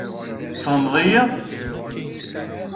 Tfehmeḍ-iyi?